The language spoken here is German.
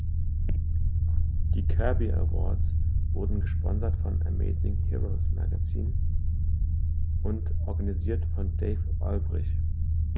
Die Kirby Awards wurden gesponsert vom Amazing Heroes Magazin und organisiert von Dave Olbrich.